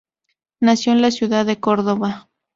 Nació en la ciudad de Córdoba.